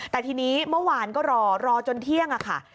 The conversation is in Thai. แต่ทีนี้เมื่อวานก็รอรอจนเที่ยงค่ะ